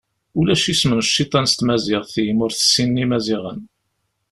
Ulac isem n cciṭan s tmaziɣt, imi ur t-ssinen Imaziɣen.